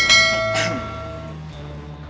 yang lagi diner